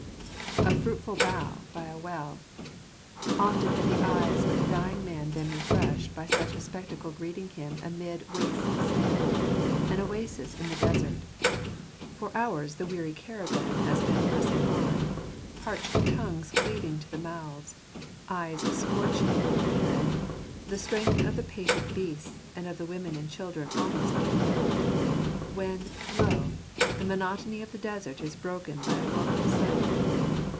FRUITFUL bough by a well." Often had the eyes of the dying man been refreshed by such a spectacle greeting him amid wastes of sand — an oasis in the desert. For hours the weary caravan has been pressing on, parched tongues cleaving to the mouths, eyes scorching in the head, the strength of the patient beasts and of the women and children almost giving out. When, lo, the monotony of desert is broken by a welcome sight